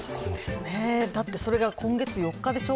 だってそれが今月４日でしょ